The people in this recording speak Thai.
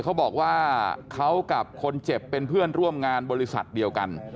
เขาบอกว่าเขากับคนเจ็บเป็นเพื่อนร่วมงานบริษัทเดียวกัน